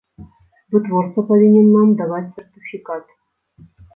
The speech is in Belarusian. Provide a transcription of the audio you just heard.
Вытворца павінен нам даваць сертыфікат.